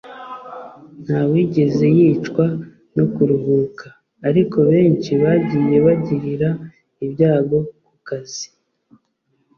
.Ntawigeze yicwa no kuruhuka, ariko benshi bagiye bagirira ibyago ku kazi.